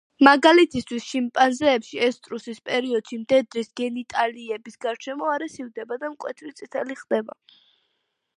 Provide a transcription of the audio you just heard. მაგალითისთვის, შიმპანზეებში ესტრუსის პერიოდში, მდედრის გენიტალიების გარშემო არე სივდება და მკვეთრი წითელი ხდება.